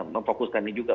memfokuskan ini juga